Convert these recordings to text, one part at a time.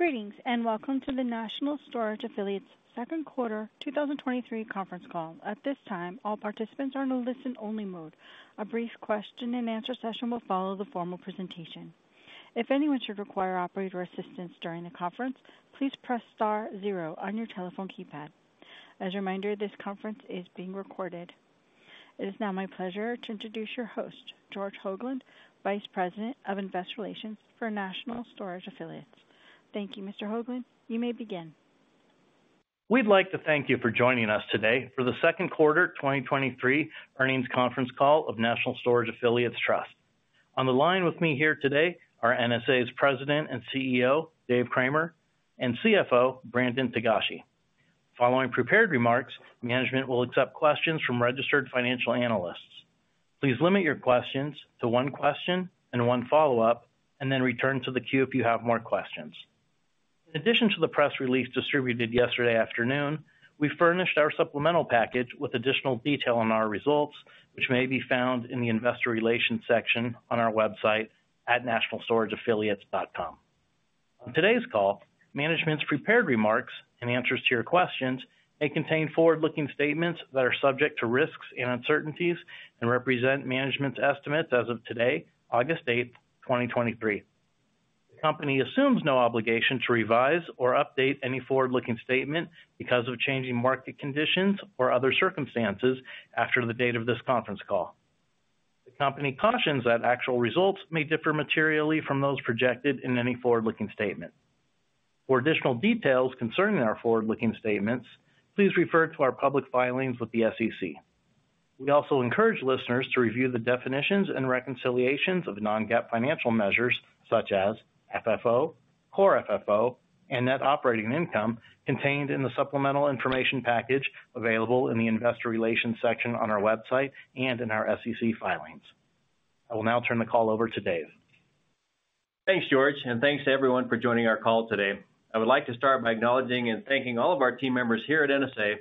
Greetings, welcome to the National Storage Affiliates second quarter 2023 conference call. At this time, all participants are in a listen-only mode. A brief question and answer session will follow the formal presentation. If anyone should require operator assistance during the conference, please press star 0 on your telephone keypad. As a reminder, this conference is being recorded. It is now my pleasure to introduce your host, George Hoglund, Vice President of Investor Relations for National Storage Affiliates. Thank you, Mr. Hoglund. You may begin. We'd like to thank you for joining us today for the second quarter 2023 earnings conference call of National Storage Affiliates Trust. On the line with me here today are NSA's President and CEO, Dave Cramer, and CFO, Brandon Togashi. Following prepared remarks, management will accept questions from registered financial analysts. Please limit your questions to one question and one follow-up, and then return to the queue if you have more questions. In addition to the press release distributed yesterday afternoon, we furnished our supplemental package with additional detail on our results, which may be found in the Investor Relations section on our website at nationalstorageaffiliates.com. On today's call, management's prepared remarks and answers to your questions may contain forward-looking statements that are subject to risks and uncertainties and represent management's estimates as of today, August eighth, 2023. The company assumes no obligation to revise or update any forward-looking statement because of changing market conditions or other circumstances after the date of this conference call. The company cautions that actual results may differ materially from those projected in any forward-looking statement. For additional details concerning our forward-looking statements, please refer to our public filings with the SEC. We also encourage listeners to review the definitions and reconciliations of non-GAAP financial measures such as FFO, Core FFO, and Net Operating Income, contained in the supplemental information package available in the Investor Relations section on our website and in our SEC filings. I will now turn the call over to Dave. Thanks, George, and thanks to everyone for joining our call today. I would like to start by acknowledging and thanking all of our team members here at NSA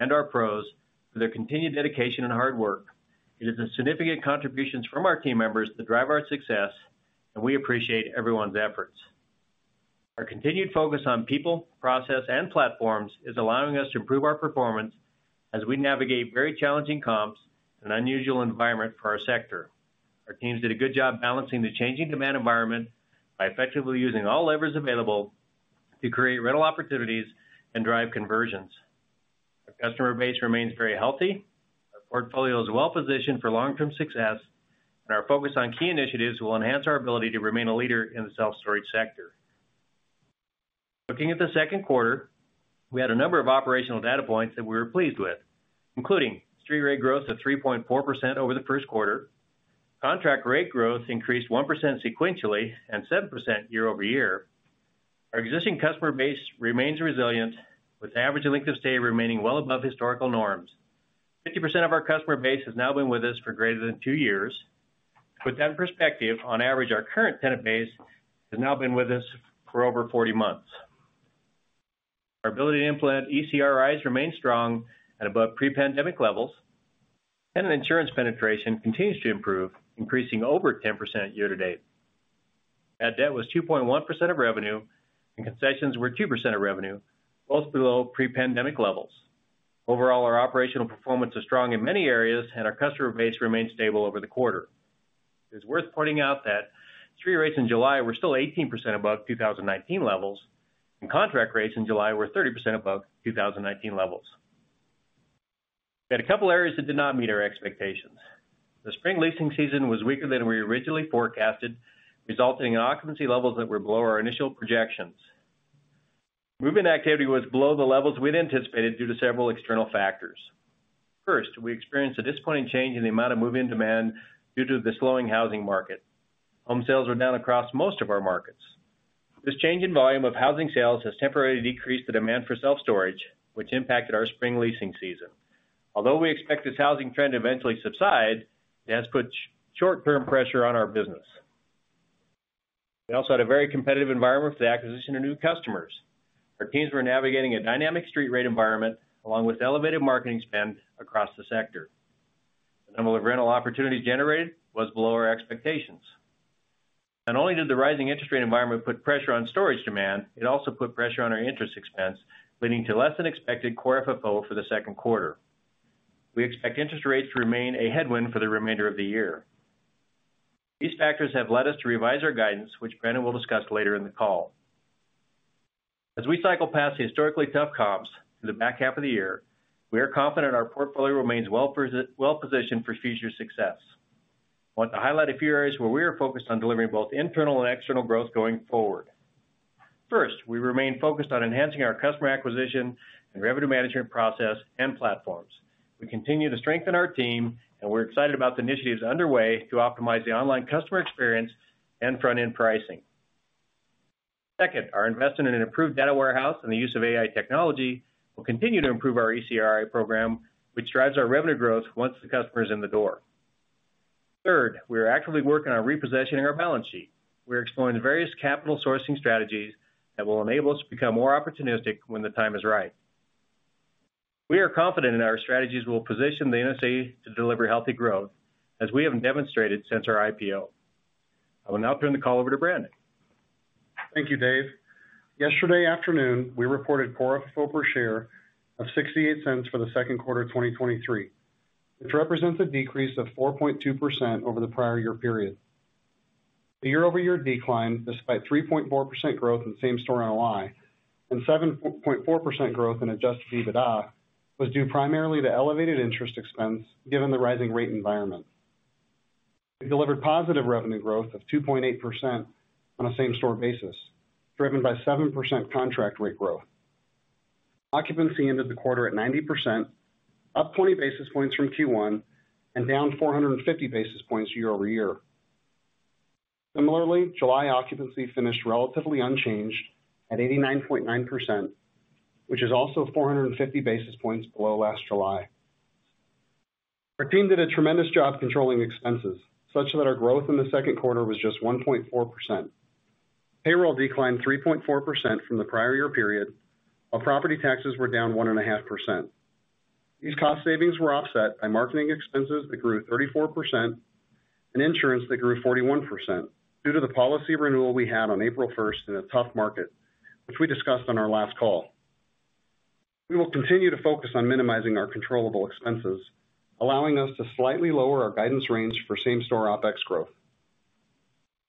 and our PROs for their continued dedication and hard work. It is the significant contributions from our team members that drive our success, and we appreciate everyone's efforts. Our continued focus on people, process, and platforms is allowing us to improve our performance as we navigate very challenging comps and unusual environment for our sector. Our teams did a good job balancing the changing demand environment by effectively using all levers available to create rental opportunities and drive conversions. Our customer base remains very healthy. Our portfolio is well positioned for long-term success, and our focus on key initiatives will enhance our ability to remain a leader in the self-storage sector. Looking at the second quarter, we had a number of operational data points that we were pleased with, including street rate growth of 3.4% over the first quarter. Contract rate growth increased 1% sequentially and 7% year-over-year. Our existing customer base remains resilient, with average length of stay remaining well above historical norms. 50% of our customer base has now been with us for greater than 2 years. To put that in perspective, on average, our current tenant base has now been with us for over 40 months. Our ability to implement ECRIs remains strong at above pre-pandemic levels, and insurance penetration continues to improve, increasing over 10% year to date. Bad debt was 2.1% of revenue, and concessions were 2% of revenue, both below pre-pandemic levels. Overall, our operational performance is strong in many areas, and our customer base remains stable over the quarter. It's worth pointing out that street rates in July were still 18% above 2019 levels, and contract rates in July were 30% above 2019 levels. We had a couple areas that did not meet our expectations. The spring leasing season was weaker than we originally forecasted, resulting in occupancy levels that were below our initial projections. Move-in activity was below the levels we'd anticipated due to several external factors. First, we experienced a disappointing change in the amount of move-in demand due to the slowing housing market. Home sales were down across most of our markets. This change in volume of housing sales has temporarily decreased the demand for self-storage, which impacted our spring leasing season. Although we expect this housing trend to eventually subside, it has put short-term pressure on our business. We also had a very competitive environment for the acquisition of new customers. Our teams were navigating a dynamic street rate environment along with elevated marketing spend across the sector. The number of rental opportunities generated was below our expectations. Not only did the rising interest rate environment put pressure on storage demand, it also put pressure on our interest expense, leading to less than expected Core FFO for the second quarter. We expect interest rates to remain a headwind for the remainder of the year. These factors have led us to revise our guidance, which Brandon will discuss later in the call. As we cycle past the historically tough comps in the back half of the year, we are confident our portfolio remains well-positioned for future success. I want to highlight a few areas where we are focused on delivering both internal and external growth going forward. First, we remain focused on enhancing our customer acquisition and revenue management process and platforms. We continue to strengthen our team, and we're excited about the initiatives underway to optimize the online customer experience and front-end pricing. Second, our investment in an improved data warehouse and the use of AI technology will continue to improve our ECRI program, which drives our revenue growth once the customer is in the door. Third, we are actively working on repositioning our balance sheet. We're exploring the various capital sourcing strategies that will enable us to become more opportunistic when the time is right.... We are confident in our strategies will position the NSA to deliver healthy growth, as we have demonstrated since our IPO. I will now turn the call over to Brandon. Thank you, Dave. Yesterday afternoon, we reported Core FFO per share of $0.68 for the second quarter of 2023, which represents a decrease of 4.2% over the prior year period. The year-over-year decline, despite 3.4% growth in same-store NOI, and 7.4% growth in Adjusted EBITDA, was due primarily to elevated interest expense, given the rising rate environment. We delivered positive revenue growth of 2.8% on a same-store basis, driven by 7% contract rate growth. Occupancy ended the quarter at 90%, up 20 basis points from Q1 and down 450 basis points year-over-year. Similarly, July occupancy finished relatively unchanged at 89.9%, which is also 450 basis points below last July. Our team did a tremendous job controlling expenses, such that our growth in the second quarter was just 1.4%. Payroll declined 3.4% from the prior year period, while property taxes were down 1.5%. These cost savings were offset by marketing expenses that grew 34% and insurance that grew 41%, due to the policy renewal we had on April first in a tough market, which we discussed on our last call. We will continue to focus on minimizing our controllable expenses, allowing us to slightly lower our guidance range for same-store OpEx growth.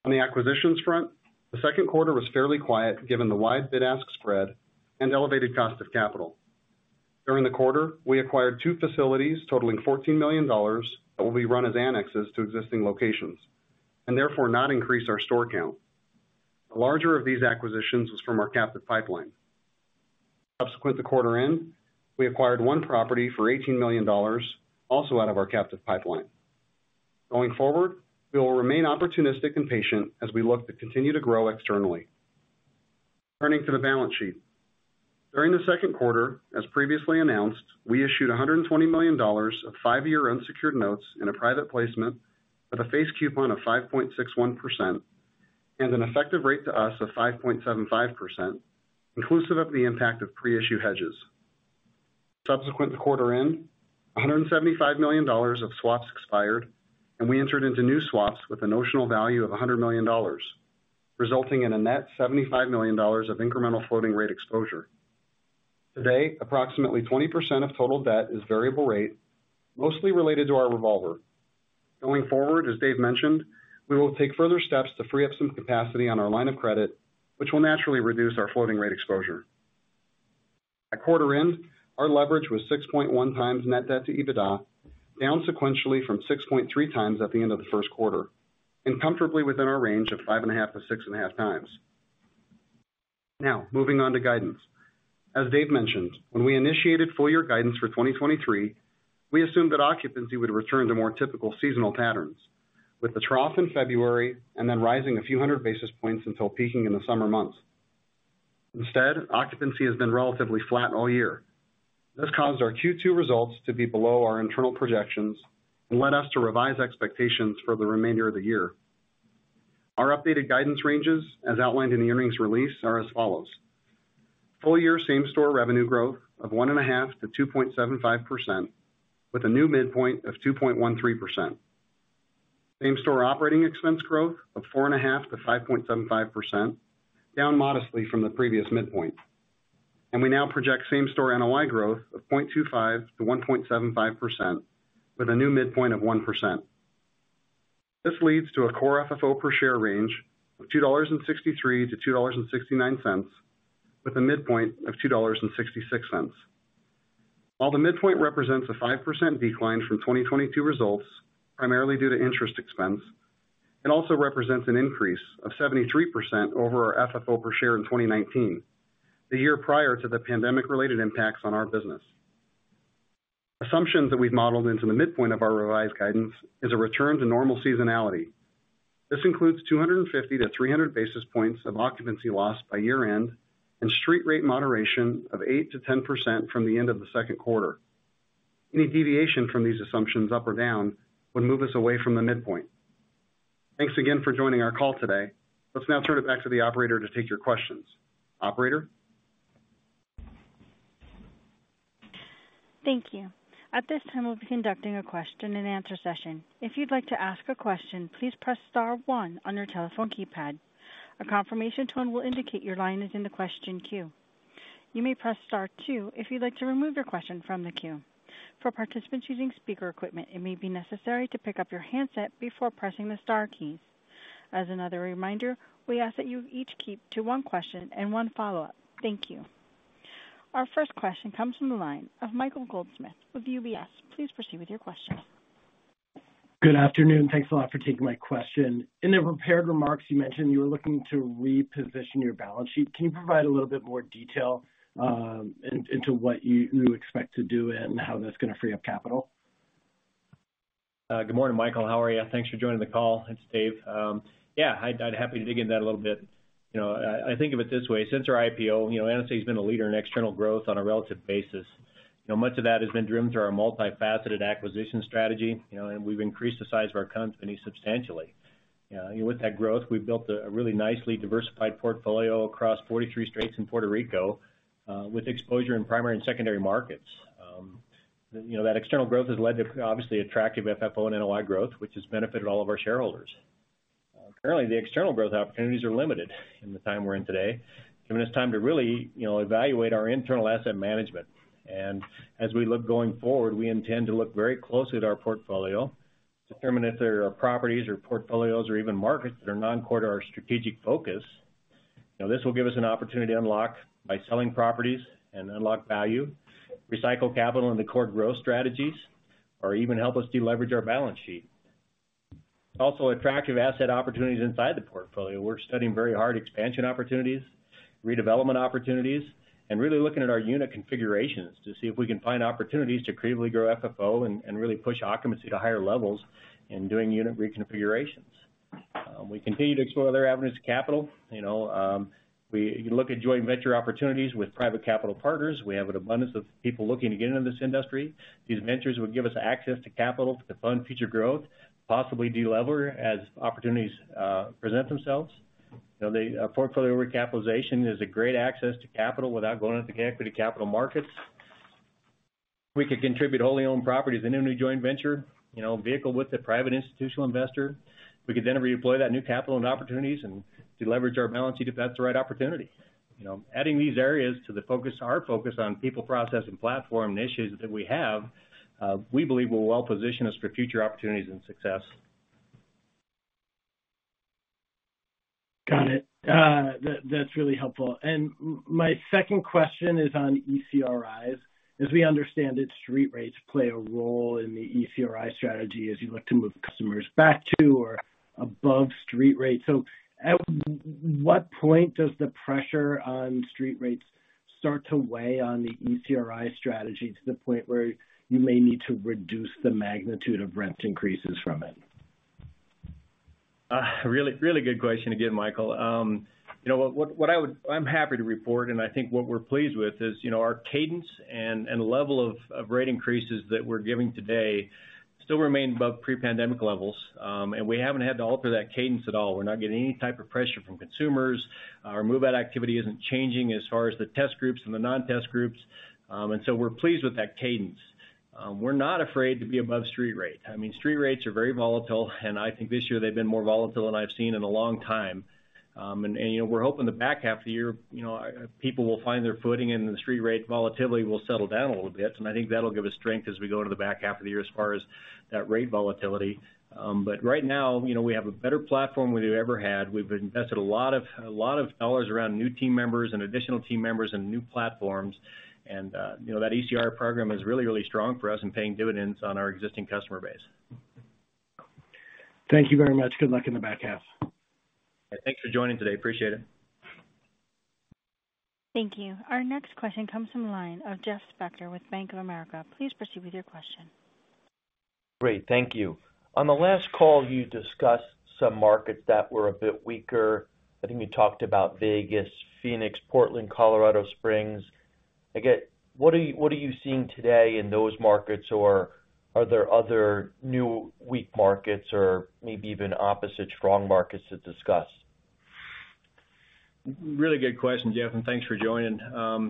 On the acquisitions front, the second quarter was fairly quiet, given the wide bid-ask spread and elevated cost of capital. During the quarter, we acquired two facilities totaling $14 million that will be run as annexes to existing locations, and therefore not increase our store count. The larger of these acquisitions was from our captive pipeline. Subsequent to quarter end, we acquired one property for $18 million, also out of our captive pipeline. Going forward, we will remain opportunistic and patient as we look to continue to grow externally. Turning to the balance sheet. During the second quarter, as previously announced, we issued $120 million of 5-year unsecured notes in a private placement with a face coupon of 5.61% and an effective rate to us of 5.75%, inclusive of the impact of pre-issue hedges. Subsequent to quarter end, $175 million of swaps expired. We entered into new swaps with a notional value of $100 million, resulting in a net $75 million of incremental floating rate exposure. Today, approximately 20% of total debt is variable rate, mostly related to our revolver. Going forward, as Dave mentioned, we will take further steps to free up some capacity on our line of credit, which will naturally reduce our floating rate exposure. At quarter end, our leverage was 6.1 times net debt to EBITDA, down sequentially from 6.3 times at the end of the first quarter, and comfortably within our range of 5.5-6.5 times. Now, moving on to guidance. As Dave mentioned, when we initiated full year guidance for 2023, we assumed that occupancy would return to more typical seasonal patterns, with the trough in February and then rising a few hundred basis points until peaking in the summer months. Instead, occupancy has been relatively flat all year. This caused our Q2 results to be below our internal projections and led us to revise expectations for the remainder of the year. Our updated guidance ranges, as outlined in the earnings release, are as follows: Full year same-store revenue growth of 1.5%-2.75%, with a new midpoint of 2.13%. Same-store operating expense growth of 4.5%-5.75%, down modestly from the previous midpoint. We now project same-store NOI growth of 0.25%-1.75%, with a new midpoint of 1%. This leads to a Core FFO per share range of $2.63-$2.69, with a midpoint of $2.66. While the midpoint represents a 5% decline from 2022 results, primarily due to interest expense, it also represents an increase of 73% over our FFO per share in 2019, the year prior to the pandemic-related impacts on our business. Assumptions that we've modeled into the midpoint of our revised guidance is a return to normal seasonality. This includes 250-300 basis points of occupancy loss by year-end and street rate moderation of 8%-10% from the end of the second quarter. Any deviation from these assumptions, up or down, would move us away from the midpoint. Thanks again for joining our call today. Let's now turn it back to the operator to take your questions. Operator? Thank you. At this time, we'll be conducting a question and answer session. If you'd like to ask a question, please press star one on your telephone keypad. A confirmation tone will indicate your line is in the question queue. You may press Star two if you'd like to remove your question from the queue. For participants using speaker equipment, it may be necessary to pick up your handset before pressing the star keys. As another reminder, we ask that you each keep to one question and one follow-up. Thank you. Our first question comes from the line of Michael Goldsmith with UBS. Please proceed with your question. Good afternoon. Thanks a lot for taking my question. In the prepared remarks, you mentioned you were looking to reposition your balance sheet. Can you provide a little bit more detail into what you expect to do and how that's going to free up capital? Good morning, Michael. How are you? Thanks for joining the call. It's Dave. I'd happy to dig into that a little bit. You know, I think of it this way, since our IPO, you know, NSA has been a leader in external growth on a relative basis. You know, much of that has been driven through our multifaceted acquisition strategy, you know, and we've increased the size of our company substantially. With that growth, we've built a, a really nicely diversified portfolio across 43 states in Puerto Rico, with exposure in primary and secondary markets. You know, that external growth has led to obviously attractive FFO and NOI growth, which has benefited all of our shareholders. Currently, the external growth opportunities are limited in the time we're in today, giving us time to really, you know, evaluate our internal asset management. As we look going forward, we intend to look very closely at our portfolio to determine if there are properties or portfolios or even markets that are non-core to our strategic focus. Now, this will give us an opportunity to unlock by selling properties and unlock value, recycle capital into core growth strategies, or even help us deleverage our balance sheet. Also, attractive asset opportunities inside the portfolio. We're studying very hard expansion opportunities, redevelopment opportunities, and really looking at our unit configurations to see if we can find opportunities to creatively grow FFO and, and really push occupancy to higher levels in doing unit reconfigurations. We continue to explore other avenues to capital. You know, we look at joint venture opportunities with private capital partners. We have an abundance of people looking to get into this industry. These ventures would give us access to capital to fund future growth, possibly delever as opportunities present themselves. You know, the portfolio recapitalization is a great access to capital without going into the equity capital markets. We could contribute wholly owned properties in any new joint venture, you know, vehicle with a private institutional investor. We could then redeploy that new capital and opportunities and deleverage our balance sheet if that's the right opportunity. You know, adding these areas to the focus, our focus on people, process, and platform initiatives that we have, we believe will well position us for future opportunities and success. Got it. That's really helpful. And my second question is on ECRIs. As we understand it, street rates play a role in the ECRI strategy as you look to move customers back to or above street rate. At what point does the pressure on street rates start to weigh on the ECRI strategy, to the point where you may need to reduce the magnitude of rent increases from it? Really, really good question again, Michael. You know, what I'm happy to report, and I think what we're pleased with is, you know, our cadence and level of rate increases that we're giving today still remain above pre-pandemic levels. We haven't had to alter that cadence at all. We're not getting any type of pressure from consumers. Our move-out activity isn't changing as far as the test groups and the non-test groups. We're pleased with that cadence. We're not afraid to be above street rate. I mean, street rates are very volatile, and I think this year they've been more volatile than I've seen in a long time. And, you know, we're hoping the back half of the year, you know, people will find their footing, and the street rate volatility will settle down a little bit, and I think that'll give us strength as we go into the back half of the year as far as that rate volatility. Right now, you know, we have a better platform than we've ever had. We've invested a lot of, a lot of dollars around new team members and additional team members and new platforms. You know, that ECR program is really, really strong for us and paying dividends on our existing customer base. Thank you very much. Good luck in the back half. Thanks for joining today. Appreciate it. Thank you. Our next question comes from the line of Jeff Spector with Bank of America. Please proceed with your question. Great. Thank you. On the last call, you discussed some markets that were a bit weaker. I think we talked about Vegas, Phoenix, Portland, Colorado Springs. Again, what are you seeing today in those markets? Are there other new weak markets or maybe even opposite strong markets to discuss? Really good question, Jeff. Thanks for joining.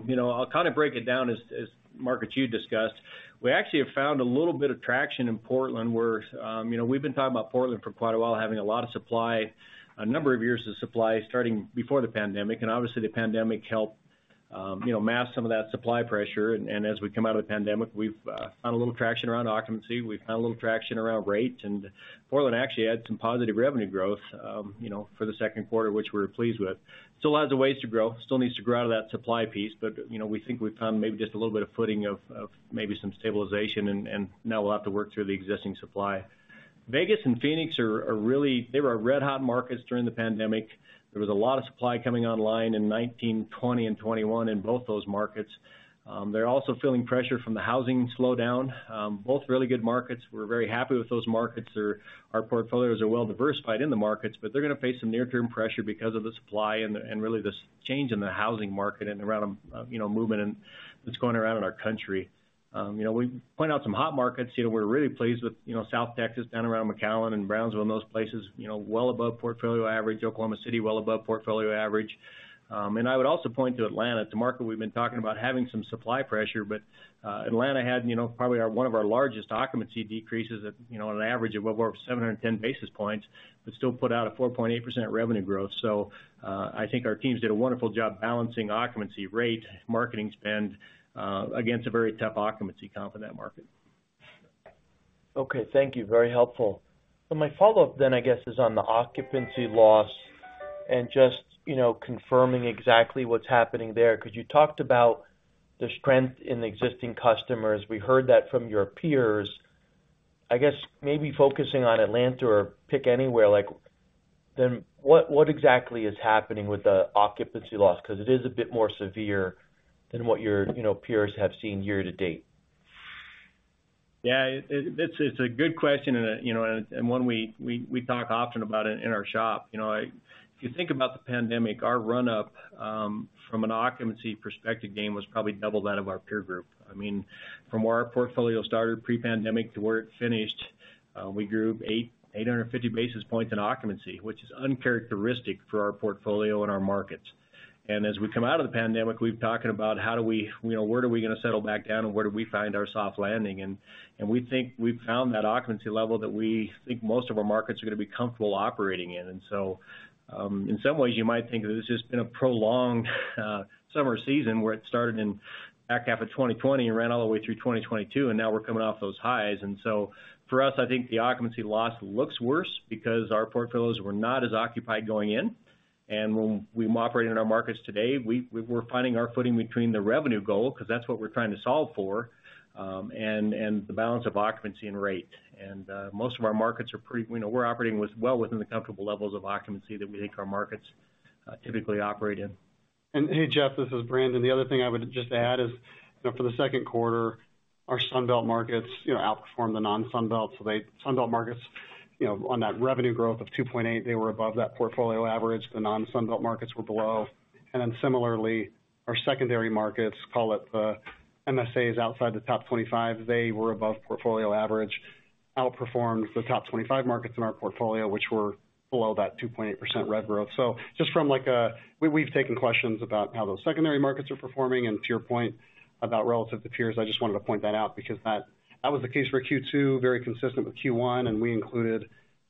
You know, I'll kind of break it down as, as markets you discussed. We actually have found a little bit of traction in Portland, where, you know, we've been talking about Portland for quite a while, having a lot of supply, a number of years of supply, starting before the pandemic, and obviously the pandemic helped, you know, mask some of that supply pressure. As we come out of the pandemic, we've found a little traction around occupancy. We've found a little traction around rate. Portland actually had some positive revenue growth, you know, for the second quarter, which we're pleased with. Still lots of ways to grow, still needs to grow out of that supply piece, but, you know, we think we've found maybe just a little bit of footing of maybe some stabilization, and now we'll have to work through the existing supply. Vegas and Phoenix are really, they were red hot markets during the pandemic. There was a lot of supply coming online in 19, 20, and 21 in both those markets. They're also feeling pressure from the housing slowdown. Both really good markets. We're very happy with those markets. Our portfolios are well diversified in the markets, but they're gonna face some near-term pressure because of the supply and the and really this change in the housing market and around, you know, movement and that's going around in our country. You know, we point out some hot markets. You know, we're really pleased with, you know, South Texas, down around McAllen and Brownsville, and those places, you know, well above portfolio average. Oklahoma City, well above portfolio average. I would also point to Atlanta. It's a market we've been talking about having some supply pressure, Atlanta had, you know, probably one of our largest occupancy decreases at, you know, on an average of well over 710 basis points, still put out a 4.8% revenue growth. I think our teams did a wonderful job balancing occupancy rate, marketing spend, against a very tough occupancy comp in that market. Okay. Thank you. Very helpful. My follow-up then, I guess, is on the occupancy loss and just, you know, confirming exactly what's happening there. You talked about the strength in the existing customers. We heard that from your peers. I guess maybe focusing on Atlanta or pick anywhere, like, what, what exactly is happening with the occupancy loss? It is a bit more severe than what your, you know, peers have seen year-to-date. Yeah, it, it's, it's a good question and, you know, and one we, we, we talk often about it in our shop. You know, if you think about the pandemic, our run-up from an occupancy perspective gain was probably double that of our peer group. I mean, from where our portfolio started pre-pandemic to where it finished, we grew 850 basis points in occupancy, which is uncharacteristic for our portfolio and our markets. As we come out of the pandemic, we've talking about how do we, you know, where are we gonna settle back down, and where do we find our soft landing? We think we've found that occupancy level that we think most of our markets are gonna be comfortable operating in. In some ways, you might think of it as just been a prolonged summer season, where it started in back half of 2020 and ran all the way through 2022, and now we're coming off those highs. For us, I think the occupancy loss looks worse because our portfolios were not as occupied going in, and when we operate in our markets today, we're finding our footing between the revenue goal, 'cause that's what we're trying to solve for, and the balance of occupancy and rate. Most of our markets are you know, we're operating with well within the comfortable levels of occupancy that we think our markets typically operate in. Hey, Jeff, this is Brandon. The other thing I would just add is, you know, for the second quarter, our Sunbelt markets, you know, outperformed the non-Sunbelt. They-- Sunbelt markets, you know, on that revenue growth of 2.8, they were above that portfolio average. The non-Sunbelt markets were below. Similarly, our secondary markets, call it, MSAs, outside the top 25, they were above portfolio average, outperformed the top 25 markets in our portfolio, which were below that 2.8% rev growth. Just from, like, We've, we've taken questions about how those secondary markets are performing. To your point about relative to peers, I just wanted to point that out because that, that was the case for Q2, very consistent with Q1, and we included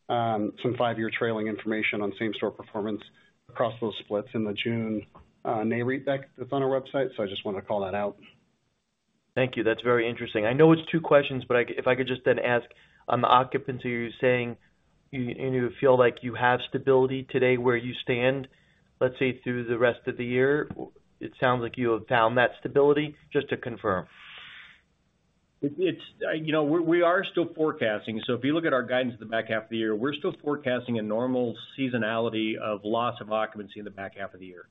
some five-year trailing information on same-store performance across those splits in the June NAREIT deck that's on our website. I just wanted to call that out. Thank you. That's very interesting. I know it's two questions, but if I could just then ask, on the occupancy, you're saying, and, and you feel like you have stability today where you stand, let's say, through the rest of the year? It sounds like you have found that stability. Just to confirm. It, it's, you know, we, we are still forecasting. If you look at our guidance at the back half of the year, we're still forecasting a normal seasonality of loss of occupancy in the back half of the year.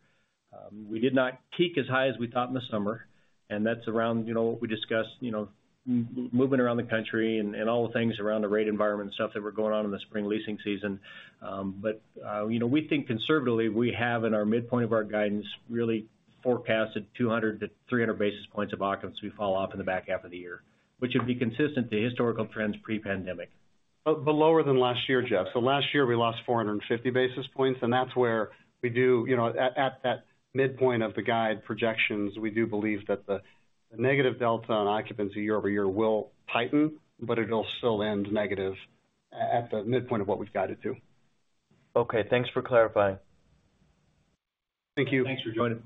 We did not peak as high as we thought in the summer, and that's around, you know, we discussed, you know, moving around the country and, and all the things around the rate environment and stuff that were going on in the spring leasing season. You know, we think conservatively, we have in our midpoint of our guidance, really forecasted 200 to 300 basis points of occupancy falloff in the back half of the year, which would be consistent to historical trends pre-pandemic. Lower than last year, Jeff. Last year we lost 450 basis points, and that's where we do, you know, at, at that midpoint of the guide projections, we do believe that the, the negative delta on occupancy year-over-year will tighten, but it'll still end negative at the midpoint of what we've guided to. Okay, thanks for clarifying. Thank you. Thanks for joining.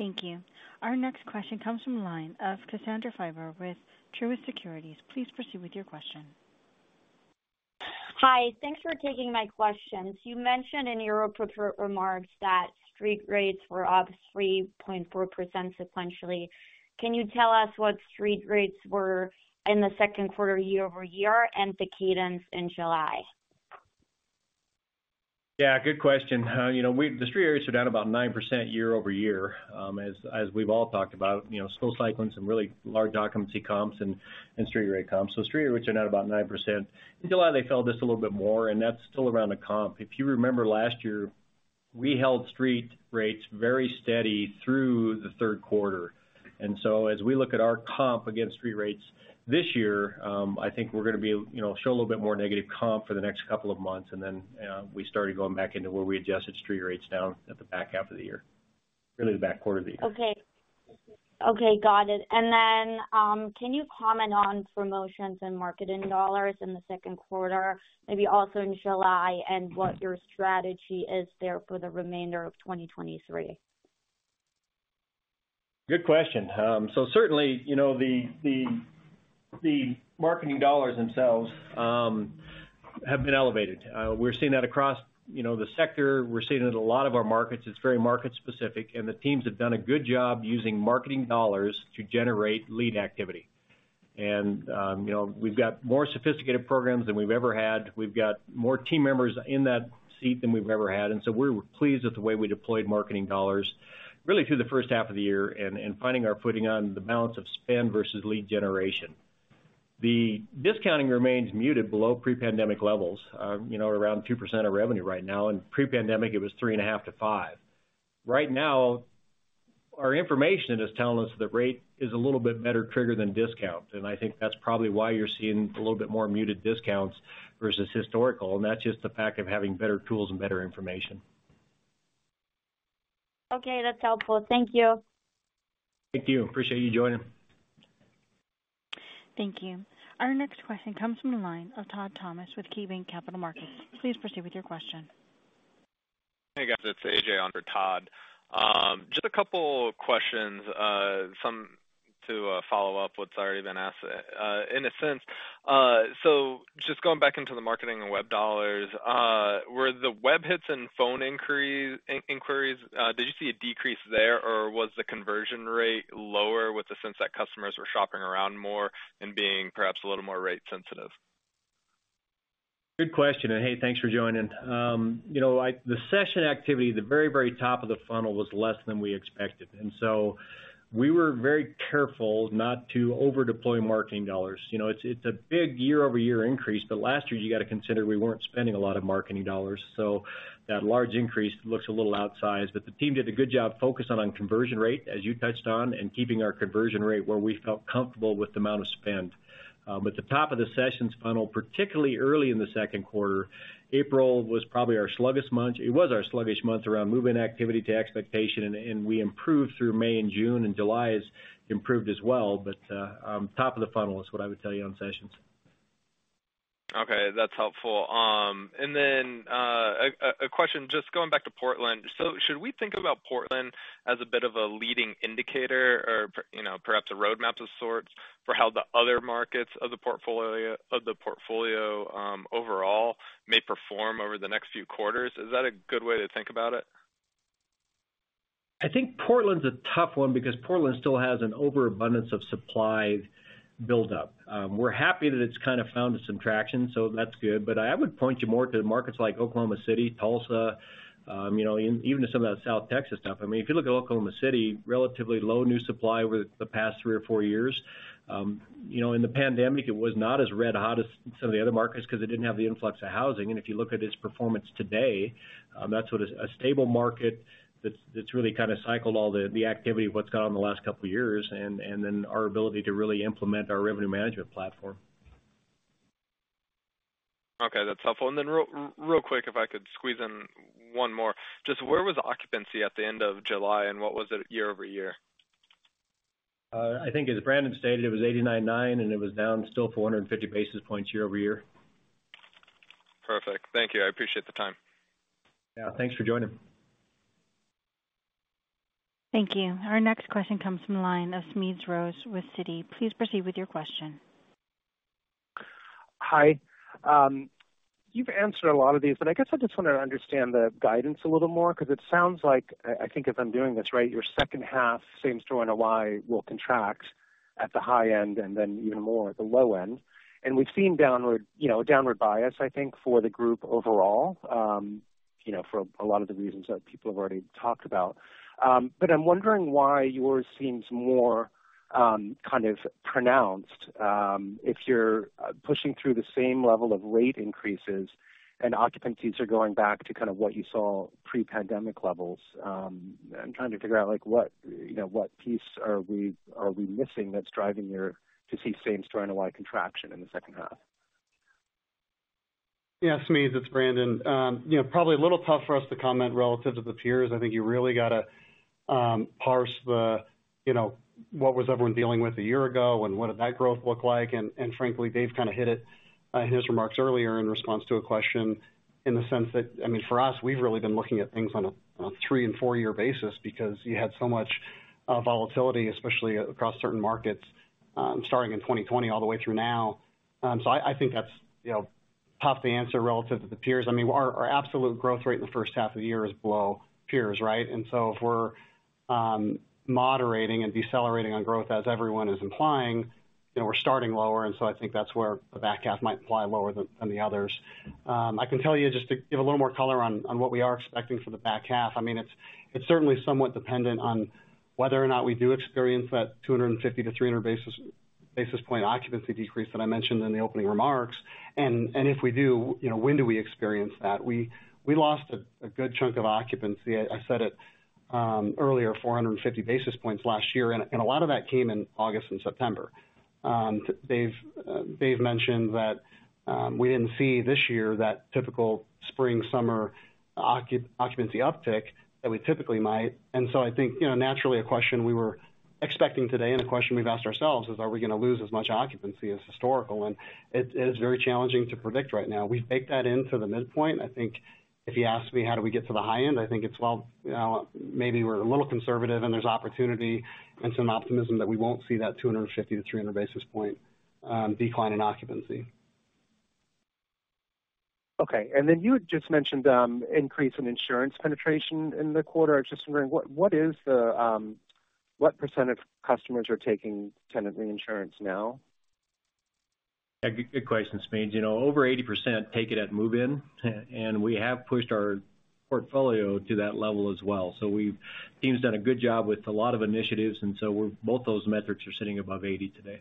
Thank you. Our next question comes from the line of Cassandra Fiber with Truist Securities. Please proceed with your question. Hi, thanks for taking my questions. You mentioned in your prepared remarks that street rates were up 3.4% sequentially. Can you tell us what street rates were in the second quarter, year-over-year, and the cadence in July? Yeah, good question. you know, the street rates are down about 9% year-over-year. as, as we've all talked about, you know, school cycling, some really large occupancy comps and, and street rate comps. Street rates are down about 9%. In July, they fell just a little bit more, and that's still around the comp. If you remember last year, we held street rates very steady through the third quarter. So as we look at our comp against street rates this year, I think we're gonna be, you know, show a little bit more negative comp for the next couple of months, and then, we started going back into where we adjusted street rates down at the back half of the year. Really the back quarter of the year. Okay. Okay, got it. Then, can you comment on promotions and marketing dollars in the second quarter, maybe also in July, and what your strategy is there for the remainder of 2023? Good question. Certainly, you know, the, the, the marketing dollars themselves have been elevated. We're seeing that across, you know, the sector. We're seeing it in a lot of our markets. It's very market specific, and the teams have done a good job using marketing dollars to generate lead activity. You know, we've got more sophisticated programs than we've ever had. We've got more team members in that seat than we've ever had, and so we're pleased with the way we deployed marketing dollars really through the first half of the year and, and finding our footing on the balance of spend versus lead generation. The discounting remains muted below pre-pandemic levels, you know, around 2% of revenue right now, and pre-pandemic it was 3.5%-5%. Right now, our information is telling us that rate is a little bit better trigger than discount, and I think that's probably why you're seeing a little bit more muted discounts versus historical, and that's just the fact of having better tools and better information. Okay, that's helpful. Thank you. Thank you. Appreciate you joining. Thank you. Our next question comes from the line of Todd Thomas with KeyBanc Capital Markets. Please proceed with your question. Hey, guys, it's AJ on for Todd. Just a couple questions, some to follow up what's already been asked in a sense. Just going back into the marketing and web dollars, were the web hits and phone inquiries, did you see a decrease there, or was the conversion rate lower with the sense that customers were shopping around more and being perhaps a little more rate sensitive? Good question. Hey, thanks for joining. You know, the session activity, the very, very top of the funnel was less than we expected. We were very careful not to over-deploy marketing dollars. You know, it's, it's a big year-over-year increase. Last year you got to consider we weren't spending a lot of marketing dollars, so that large increase looks a little outsized. The team did a good job focusing on conversion rate, as you touched on, and keeping our conversion rate where we felt comfortable with the amount of spend. The top of the sessions funnel, particularly early in the second quarter, April, was probably our sluggish month. It was our sluggish month around movement activity to expectation, and, and we improved through May and June, and July has improved as well, but, top of the funnel is what I would tell you on sessions. Okay, that's helpful. A, a question, just going back to Portland. Should we think about Portland as a bit of a leading indicator or, you know, perhaps a roadmap of sorts for how the other markets of the portfolio, of the portfolio, overall may perform over the next few quarters? Is that a good way to think about it? I think Portland's a tough one because Portland still has an overabundance of supply buildup. We're happy that it's kind of found some traction, so that's good. I would point you more to markets like Oklahoma City, Tulsa, you know, even to some of that South Texas stuff. I mean, if you look at Oklahoma City, relatively low new supply over the past three or four years. You know, in the pandemic, it was not as red hot as some of the other markets because it didn't have the influx of housing. If you look at its performance today, that's what a, a stable market that's, that's really kind of cycled all the, the activity of what's gone on in the last couple of years, and, and then our ability to really implement our revenue management platform. Okay, that's helpful. Then real, real quick, if I could squeeze in one more. Just where was occupancy at the end of July, and what was it year-over-year? I think as Brandon stated, it was 89.9, and it was down still 450 basis points year-over-year. Perfect. Thank you. I appreciate the time. Yeah, thanks for joining. Thank you. Our next question comes from the line of Smedes Rose with Citi. Please proceed with your question. Hi. you've answered a lot of these, but I guess I just want to understand the guidance a little more, because it sounds like, I think if I'm doing this right, your second half, same store NOI, will contract at the high end and then even more at the low end. We've seen downward, you know, downward bias, I think, for the group overall, you know, for a lot of the reasons that people have already talked about. I'm wondering why yours seems more, kind of pronounced, if you're pushing through the same level of rate increases and occupancies are going back to kind of what you saw pre-pandemic levels. I'm trying to figure out, like, what, you know, what piece are we, are we missing that's driving your to see same store NOI contraction in the second half? Yeah, Smedes, it's Brandon. You know, probably a little tough for us to comment relative to the peers. I think you really got to parse the, you know, what was everyone dealing with a year ago and what did that growth look like? Frankly, Dave kind of hit it in his remarks earlier in response to a question in the sense that, I mean, for us, we've really been looking at things on a 3- and 4-year basis because you had so much volatility, especially across certain markets, starting in 2020 all the way through now. I, I think that's, you know, tough to answer relative to the peers. I mean, our, our absolute growth rate in the first half of the year is below peers, right? If we're moderating and decelerating on growth, as everyone is implying, then we're starting lower, I think that's where the back half might fly lower than, than the others. I can tell you, just to give a little more color on, on what we are expecting for the back half, I mean, it's, it's certainly somewhat dependent on whether or not we do experience that 250-300 basis point occupancy decrease that I mentioned in the opening remarks. If we do, you know, when do we experience that? We lost a, a good chunk of occupancy. I said it earlier, 450 basis points last year, a lot of that came in August and September. Dave, Dave mentioned that we didn't see this year that typical spring, summer occupancy uptick that we typically might. I think, you know, naturally, a question we were expecting today and a question we've asked ourselves is: Are we going to lose as much occupancy as historical? It, it is very challenging to predict right now. We've baked that into the midpoint. I think if you ask me, how do we get to the high end, I think it's, well, you know, maybe we're a little conservative and there's opportunity and some optimism that we won't see that 250-300 basis point decline in occupancy. Okay, you had just mentioned increase in insurance penetration in the quarter. I was just wondering, what, what is the, what % of customers are taking tenant reinsurance now? Yeah, good question, Smeeds. You know, over 80% take it at move-in, we have pushed our portfolio to that level as well. We've... Team's done a good job with a lot of initiatives, both those metrics are sitting above 80 today.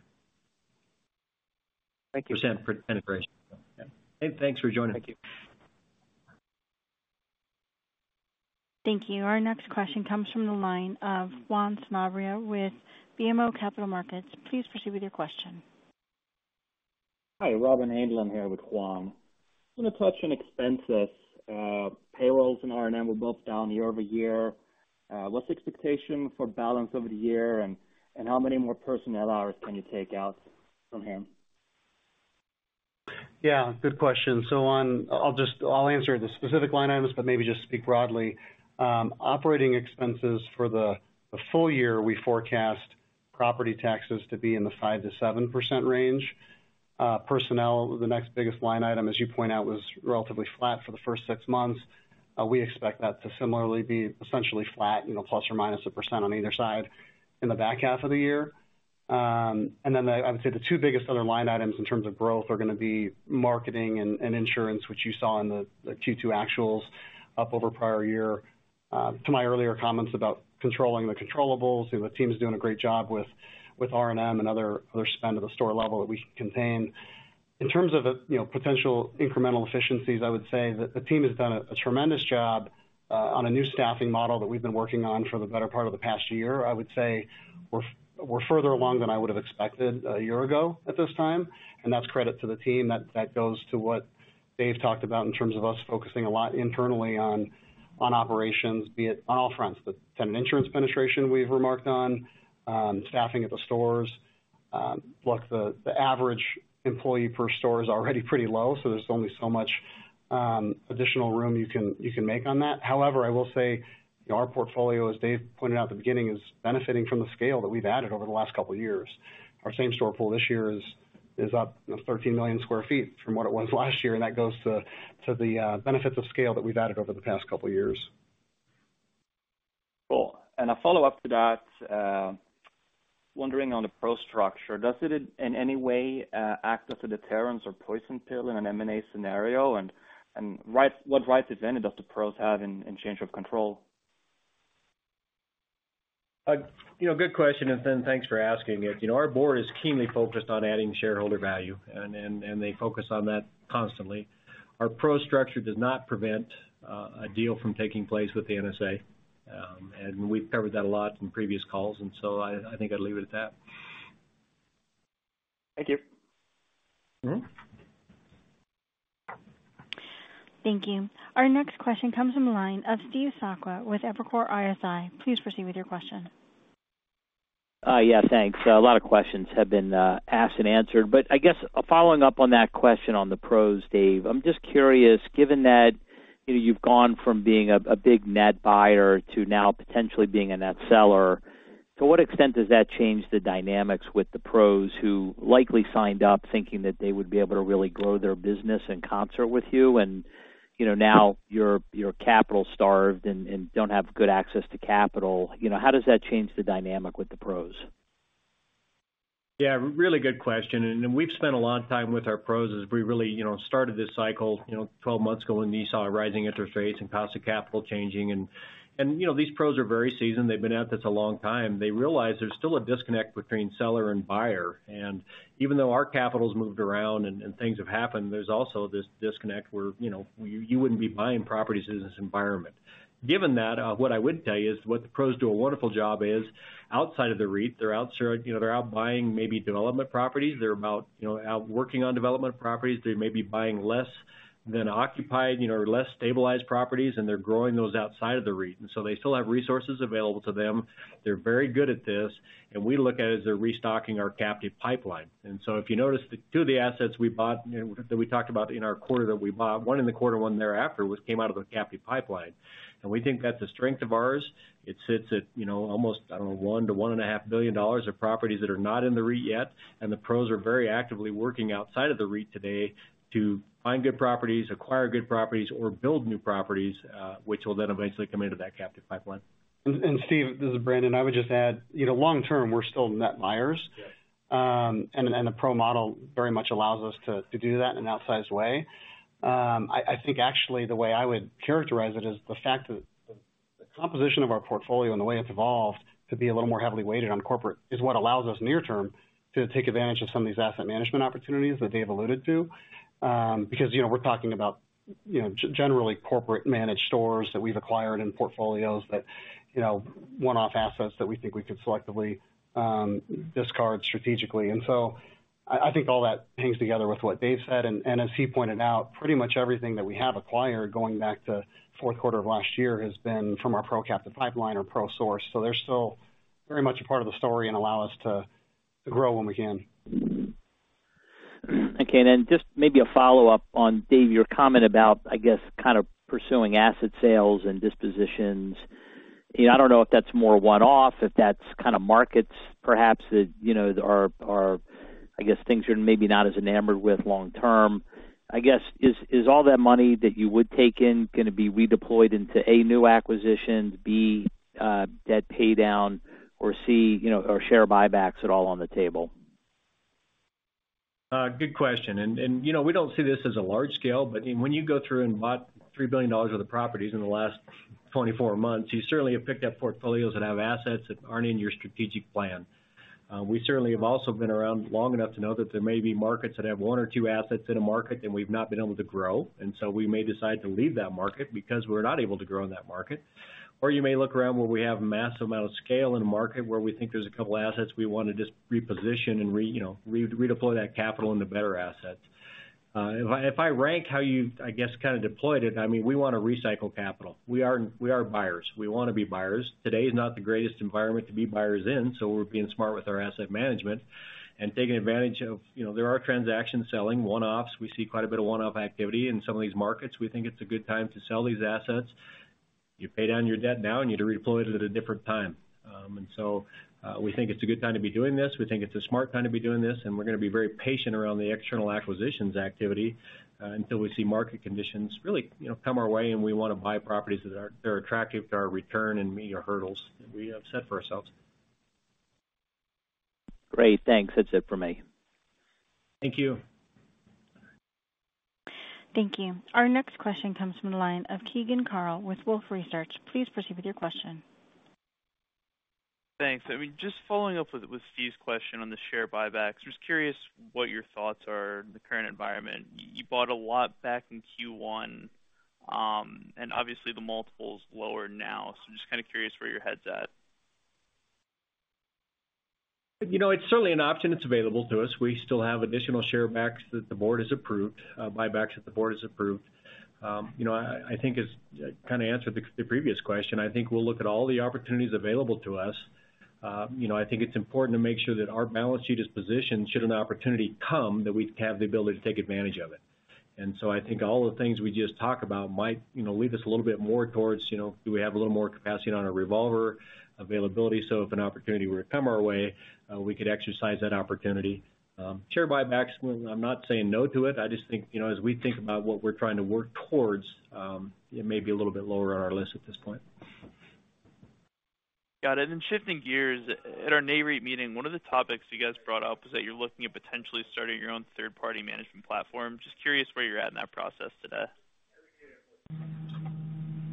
Thank you. Percent penetration. Yeah. Hey, thanks for joining. Thank you. Thank you. Our next question comes from the line of Juan Sanabria with BMO Capital Markets. Please proceed with your question. Hi, Robin Anglin here with Juan. I want to touch on expenses. Payrolls and R&M were both down year-over-year. What's the expectation for balance over the year, and how many more personnel hours can you take out from here? Yeah, good question. I'll answer the specific line items, but maybe just speak broadly. Operating expenses for the full year, we forecast property taxes to be in the 5%-7% range. Personnel, the next biggest line item, as you point out, was relatively flat for the first 6 months. We expect that to similarly be essentially flat, you know, ±1% on either side in the back half of the year. Then the, I would say the two biggest other line items in terms of growth are going to be marketing and insurance, which you saw in the Q2 actuals up over prior year. To my earlier comments about controlling the controllables, the team is doing a great job with R&M and other, other spend at the store level that we can contain. In terms of, you know, potential incremental efficiencies, I would say that the team has done a tremendous job on a new staffing model that we've been working on for the better part of the past year. I would say we're further along than I would have expected a year ago at this time, and that's credit to the team. That, that goes to what Dave talked about in terms of us focusing a lot internally on operations, be it on all fronts, the tenant insurance penetration we've remarked on, staffing at the stores. Look, the average employee per store is already pretty low, so there's only so much additional room you can make on that. However, I will say, our portfolio, as Dave pointed out at the beginning, is benefiting from the scale that we've added over the last couple of years. Our same-store pool this year is up 13 million sq ft from what it was last year, and that goes to the benefits of scale that we've added over the past couple of years. Cool. A follow-up to that, wondering on the PRO structure, does it in any way act as a deterrence or poison pill in an M&A scenario? What rights, if any, does the PROs have in, in change of control? You know, good question, and then thanks for asking it. You know, our board is keenly focused on adding shareholder value, and, and, and they focus on that constantly. Our PRO structure does not prevent a deal from taking place with the NSA, and we've covered that a lot in previous calls, and so I, I think I'd leave it at that. Thank you. Mm-hmm. Thank you. Our next question comes from the line of Steve Sakwa with Evercore ISI. Please proceed with your question. Yeah, thanks. A lot of questions have been asked and answered. I guess following up on that question on the PROs, Dave, I'm just curious, given that, you know, you've gone from being a, a big net buyer to now potentially being a net seller, to what extent does that change the dynamics with the PROs who likely signed up thinking that they would be able to really grow their business in concert with you, and, you know, now you're, you're capital-starved and, and don't have good access to capital. You know, how does that change the dynamic with the PROs? Yeah, really good question, and we've spent a lot of time with our PROs as we really, you know, started this cycle, you know, 12 months ago, when we saw rising interest rates and cost of capital changing. You know, these PROs are very seasoned. They've been at this a long time. They realize there's still a disconnect between seller and buyer. Even though our capital's moved around and, and things have happened, there's also this disconnect where, you know, you wouldn't be buying properties in this environment. Given that, what I would tell you is, what the PROs do a wonderful job is, outside of the REIT, they're out sort of... You know, they're out buying maybe development properties. They're about, you know, out working on development properties. They may be buying less than occupied, you know, or less stabilized properties, and they're growing those outside of the REIT. They still have resources available to them. They're very good at this, and we look at it as they're restocking our captive pipeline. If you notice, the two of the assets we bought, you know, that we talked about in our quarter that we bought, one in the quarter, one thereafter, was came out of the captive pipeline. We think that's a strength of ours. It sits at, you know, almost, I don't know, $1 billion-$1.5 billion of properties that are not in the REIT yet, and the PROs are very actively working outside of the REIT today to find good properties, acquire good properties, or build new properties, which will then eventually come into that captive pipeline. Steve, this is Brandon. I would just add, you know, long term, we're still net buyers. Yes. The PRO model very much allows us to, to do that in an outsized way. I, I think actually the way I would characterize it is the fact that the, the composition of our portfolio and the way it's evolved to be a little more heavily weighted on corporate is what allows us near term to take advantage of some of these asset management opportunities that Dave alluded to. Because, you know, we're talking about, you know, generally corporate-managed stores that we've acquired in portfolios that, you know, one-off assets that we think we could selectively, discard strategically. So I, I think all that hangs together with what Dave said. As he pointed out, pretty much everything that we have acquired, going back to fourth quarter of last year, has been from our PRO captive pipeline or PRO source. They're still very much a part of the story and allow us to, to grow when we can. Okay, just maybe a follow-up on, Dave, your comment about, I guess, kind of pursuing asset sales and dispositions. You know, I don't know if that's more one-off, if that's kind of markets perhaps that, you know, are... I guess, things you're maybe not as enamored with long term? I guess, is all that money that you would take in gonna be redeployed into, A, new acquisition, B, debt pay down, or C, you know, or share buybacks at all on the table? Good question, and, you know, we don't see this as a large scale, when you go through and bought $3 billion worth of properties in the last 24 months, you certainly have picked up portfolios that have assets that aren't in your strategic plan. We certainly have also been around long enough to know that there may be markets that have one or two assets in a market, and we've not been able to grow, and so we may decide to leave that market because we're not able to grow in that market. You may look around where we have a massive amount of scale in a market where we think there's a couple of assets we want to just reposition and you know, re-redeploy that capital into better assets. If I, if I rank how you, I guess, kind of deployed it, I mean, we want to recycle capital. We are, we are buyers. We want to be buyers. Today is not the greatest environment to be buyers in, so we're being smart with our asset management and taking advantage of... You know, there are transactions selling, one-offs. We see quite a bit of one-off activity in some of these markets. We think it's a good time to sell these assets. You pay down your debt now, and you deploy it at a different time. So, we think it's a good time to be doing this. We think it's a smart time to be doing this, and we're gonna be very patient around the external acquisitions activity until we see market conditions really, you know, come our way, and we want to buy properties that are attractive to our return and meet our hurdles that we have set for ourselves. Great. Thanks. That's it for me. Thank you. Thank you. Our next question comes from the line of Keegan Carl with Wolfe Research. Please proceed with your question. Thanks. I mean, just following up with, with Steve Sakwa's question on the share buybacks, just curious what your thoughts are in the current environment. you bought a lot back in Q1, and obviously, the multiple's lower now. Just kind of curious where your head's at? You know, it's certainly an option that's available to us. We still have additional share backs that the board has approved, buybacks that the board has approved. You know, I, I think it's, I kind of answered the, the previous question. I think we'll look at all the opportunities available to us. You know, I think it's important to make sure that our balance sheet is positioned, should an opportunity come, that we'd have the ability to take advantage of it. I think all the things we just talked about might, you know, lead us a little bit more towards, you know, do we have a little more capacity on our revolver availability? If an opportunity were to come our way, we could exercise that opportunity. Share buybacks, I'm not saying no to it, I just think, you know, as we think about what we're trying to work towards, it may be a little bit lower on our list at this point. Got it. Then shifting gears, at our NAREIT meeting, one of the topics you guys brought up is that you're looking at potentially starting your own third-party management platform. Just curious where you're at in that process today.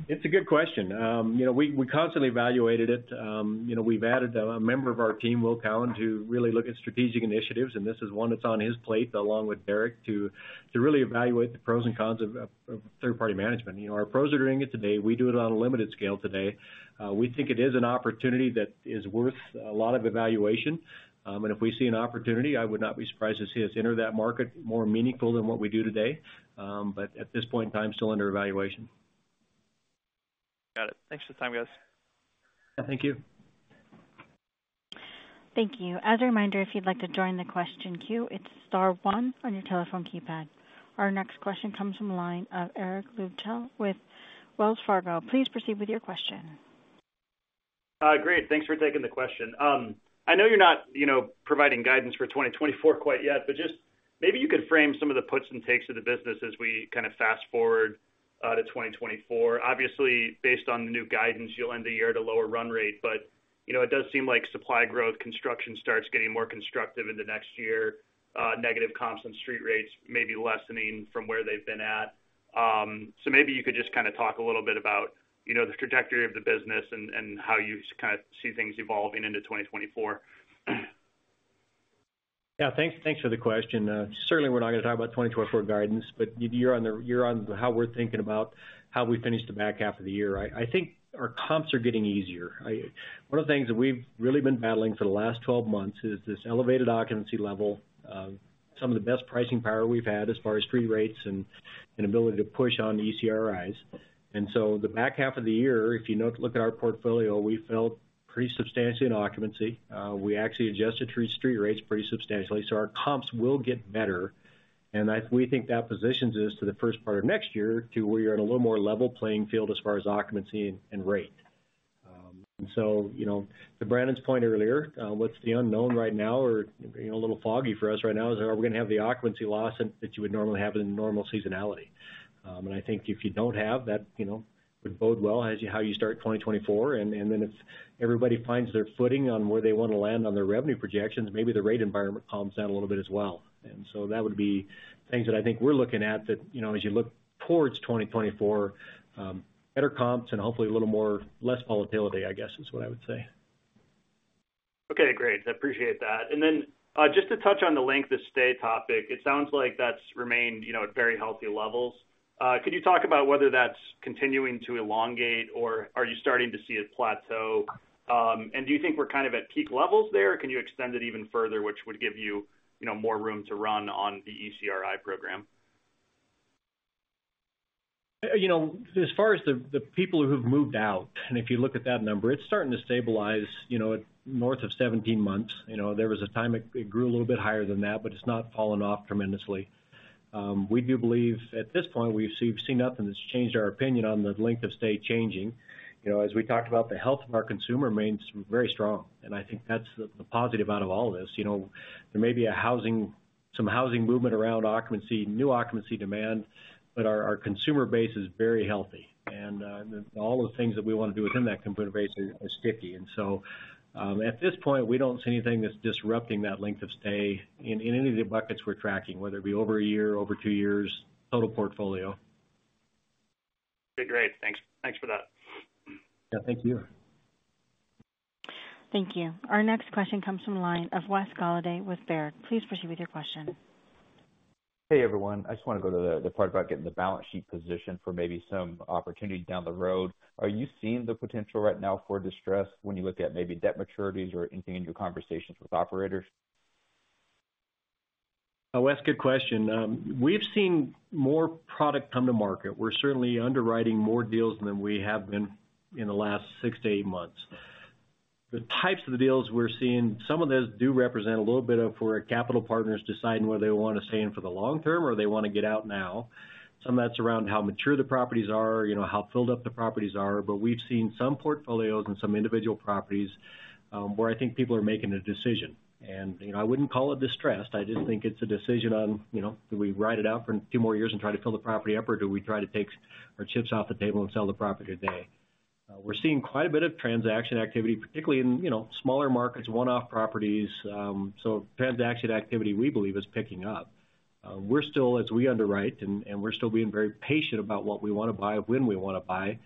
It's a good question. You know, we, we constantly evaluated it. You know, we've added a member of our team, Will Cowan, to really look at strategic initiatives. This is one that's on his plate, along with Eric, to really evaluate the pros and cons of third-party management. You know, our PROs are doing it today. We do it on a limited scale today. We think it is an opportunity that is worth a lot of evaluation. If we see an opportunity, I would not be surprised to see us enter that market more meaningful than what we do today. At this point in time, still under evaluation. Got it. Thanks for the time, guys. Thank you. Thank you. As a reminder, if you'd like to join the question queue, it's star one on your telephone keypad. Our next question comes from the line of Eric Luebchow with Wells Fargo. Please proceed with your question. Great, thanks for taking the question. I know you're not, you know, providing guidance for 2024 quite yet, but just maybe you could frame some of the puts and takes of the business as we kind of fast forward to 2024. Obviously, based on the new guidance, you'll end the year at a lower run rate. You know, it does seem like supply growth, construction starts getting more constructive in the next year, negative comps and street rates may be lessening from where they've been at. Maybe you could just kind of talk a little bit about, you know, the trajectory of the business and, and how you kind of see things evolving into 2024. Yeah, thanks, thanks for the question. certainly, we're not going to talk about 2024 guidance, but you're on the-- you're on how we're thinking about how we finish the back half of the year. I, I think our comps are getting easier. I... One of the things that we've really been battling for the last 12 months is this elevated occupancy level, some of the best pricing power we've had as far as street rates and, and ability to push on ECRIs. So the back half of the year, if you note-- look at our portfolio, we felt pretty substantial in occupancy. we actually adjusted street rates pretty substantially, so our comps will get better. I-- we think that positions us to the first part of next year to where you're on a little more level playing field as far as occupancy and, and rate. You know, to Brandon's point earlier, what's the unknown right now or, you know, a little foggy for us right now, is are we going to have the occupancy loss that, that you would normally have in a normal seasonality? I think if you don't have that, you know, would bode well as how you start 2024, and then if everybody finds their footing on where they want to land on their revenue projections, maybe the rate environment calms down a little bit as well. That would be things that I think we're looking at, that, you know, as you look towards 2024, better comps and hopefully a little more, less volatility, I guess, is what I would say. Okay, great. I appreciate that. Just to touch on the length of stay topic, it sounds like that's remained, you know, at very healthy levels. Could you talk about whether that's continuing to elongate, or are you starting to see it plateau? Do you think we're kind of at peak levels there, or can you extend it even further, which would give you, you know, more room to run on the ECRI program? You know, as far as the, the people who've moved out, and if you look at that number, it's starting to stabilize, you know, at north of 17 months. You know, there was a time it, it grew a little bit higher than that, but it's not fallen off tremendously. We do believe at this point, we've seen, seen nothing that's changed our opinion on the length of stay changing. You know, as we talked about, the health of our consumer remains very strong, and I think that's the, the positive out of all of this. You know, there may be some housing movement around occupancy, new occupancy demand, but our, our consumer base is very healthy, and all the things that we want to do within that consumer base are, are sticky. At this point, we don't see anything that's disrupting that length of stay in, in any of the buckets we're tracking, whether it be over a year, over two years, total portfolio. Okay, great. Thanks. Thanks for that. Yeah, thank you. Thank you. Our next question comes from the line of Wes Golladay with Baird. Please proceed with your question. Hey, everyone. I just want to go to the part about getting the balance sheet positioned for maybe some opportunities down the road. Are you seeing the potential right now for distress when you look at maybe debt maturities or anything in your conversations with operators? Oh, Wes, good question. We've seen more product come to market. We're certainly underwriting more deals than we have been in the last 6-8 months. The types of deals we're seeing, some of those do represent a little bit of where capital partners deciding whether they want to stay in for the long term or they want to get out now. Some of that's around how mature the properties are, you know, how filled up the properties are. But we've seen some portfolios and some individual properties, where I think people are making a decision. And, you know, I wouldn't call it distressed. I just think it's a decision on, you know, do we ride it out for a few more years and try to fill the property up, or do we try to take our chips off the table and sell the property today? We're seeing quite a bit of transaction activity, particularly in, you know, smaller markets, one-off properties. Transaction activity, we believe, is picking up. We're still as we underwrite, and, and we're still being very patient about what we want to buy and when we want to buy.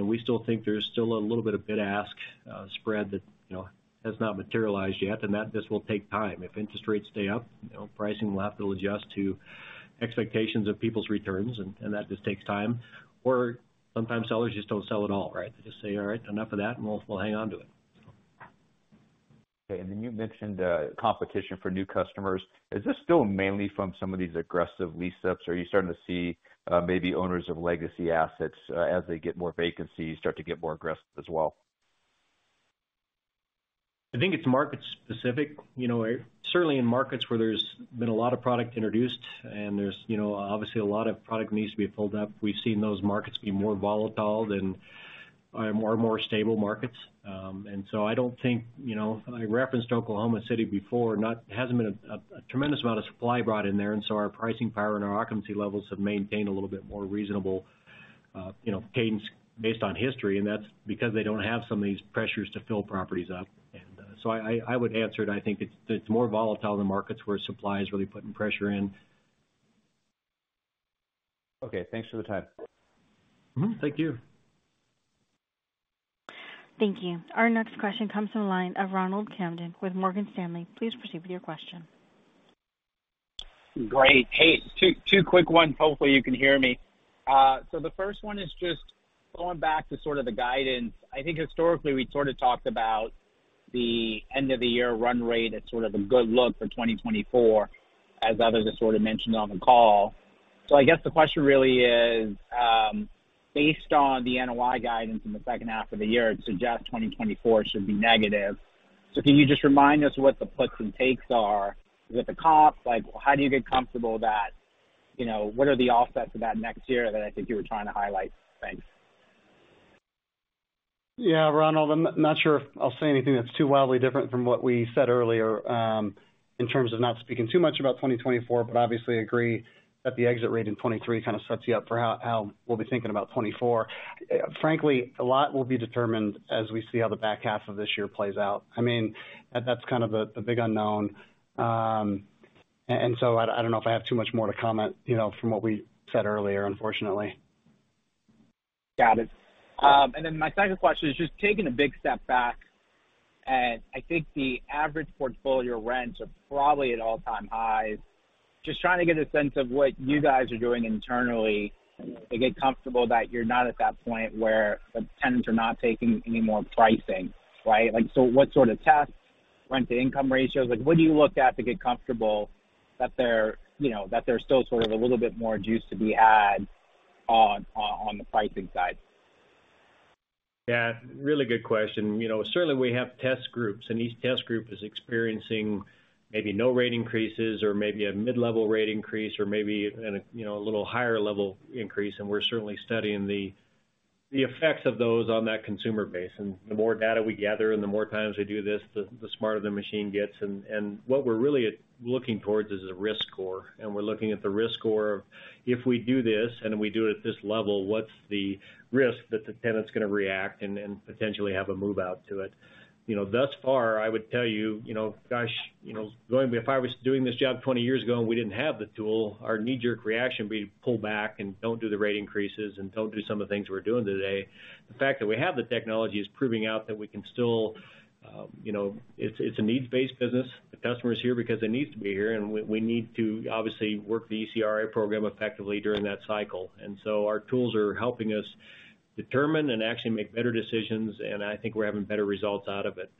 We still think there's still a little bit of bid-ask spread that, you know, has not materialized yet, and that just will take time. If interest rates stay up, you know, pricing will have to adjust to-... expectations of people's returns, and, and that just takes time. Sometimes sellers just don't sell at all, right? They just say, "All right, enough of that, and we'll, we'll hang on to it. Okay, then you mentioned, competition for new customers. Is this still mainly from some of these aggressive lease-ups, or are you starting to see, maybe owners of legacy assets, as they get more vacancies, start to get more aggressive as well? I think it's market specific. You know, certainly in markets where there's been a lot of product introduced and there's, you know, obviously a lot of product needs to be filled up, we've seen those markets be more volatile than more and more stable markets. So I don't think, you know, I referenced Oklahoma City before, hasn't been a tremendous amount of supply brought in there, and so our pricing power and our occupancy levels have maintained a little bit more reasonable, you know, cadence based on history, and that's because they don't have some of these pressures to fill properties up. So I, I would answer it, I think it's, it's more volatile than markets where supply is really putting pressure in. Okay, thanks for the time. Mm-hmm, thank you. Thank you. Our next question comes from the line of Ronald Kamdem with Morgan Stanley. Please proceed with your question. Great. Hey, 2, 2 quick ones. Hopefully, you can hear me. The first one is just going back to sort of the guidance. I think historically, we sort of talked about the end-of-the-year run rate as sort of a good look for 2024, as others have sort of mentioned on the call. I guess the question really is, based on the NOI guidance in the second half of the year, it suggests 2024 should be negative. Can you just remind us what the puts and takes are? With the comps, like, how do you get comfortable that, you know, what are the offsets of that next year that I think you were trying to highlight? Thanks. Yeah, Ronald, I'm not sure if I'll say anything that's too wildly different from what we said earlier, in terms of not speaking too much about 2024, but obviously agree that the exit rate in 23 kind of sets you up for how, how we'll be thinking about 24. Frankly, a lot will be determined as we see how the back half of this year plays out. I mean, that-that's kind of the, the big unknown. I, I don't know if I have too much more to comment, you know, from what we said earlier, unfortunately. Got it. My second question is just taking a big step back, and I think the average portfolio rents are probably at all-time highs. Just trying to get a sense of what you guys are doing internally to get comfortable that you're not at that point where the tenants are not taking any more pricing, right? What sort of tests, rent-to-income ratios, like, what do you look at to get comfortable that there, you know, that there's still sort of a little bit more juice to be had on the pricing side? Yeah, really good question. You know, certainly we have test groups, and each test group is experiencing maybe no rate increases or maybe a mid-level rate increase or maybe a, you know, a little higher level increase, and we're certainly studying the, the effects of those on that consumer base. The more data we gather and the more times we do this, the, the smarter the machine gets. What we're really looking towards is a risk score, and we're looking at the risk score of if we do this, and then we do it at this level, what's the risk that the tenant's gonna react and, and potentially have a move-out to it? You know, thus far, I would tell you, you know, gosh, you know, going-- if I was doing this job 20 years ago, we didn't have the tool, our knee-jerk reaction would be to pull back and don't do the rate increases and don't do some of the things we're doing today. The fact that we have the technology is proving out that we can still, you know, it's, it's a needs-based business. The customer's here because it needs to be here, and we, we need to obviously work the ECRI program effectively during that cycle. Our tools are helping us determine and actually make better decisions, and I think we're having better results out of it.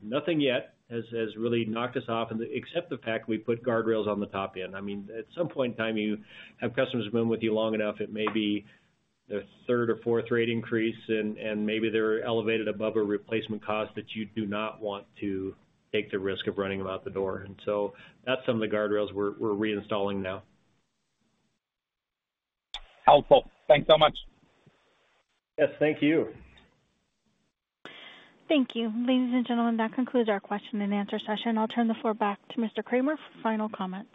Nothing yet has, has really knocked us off, and except the fact we put guardrails on the top end. I mean, at some point in time, you have customers who've been with you long enough, it may be the third or fourth rate increase, and, and maybe they're elevated above a replacement cost that you do not want to take the risk of running them out the door. So that's some of the guardrails we're, we're reinstalling now. Helpful. Thanks so much. Yes, thank you. Thank you. Ladies and gentlemen, that concludes our question and answer session. I'll turn the floor back to Mr. Cramer for final comments.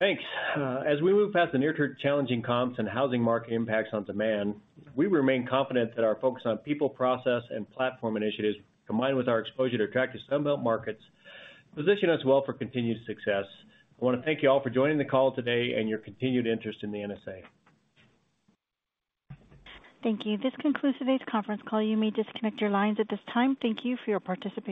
Thanks. As we move past the near-term challenging comps and housing market impacts on demand, we remain confident that our focus on people, process, and platform initiatives, combined with our exposure to attractive Sunbelt markets, position us well for continued success. I wanna thank you all for joining the call today and your continued interest in the NSA. Thank you. This concludes today's conference call. You may disconnect your lines at this time. Thank you for your participation.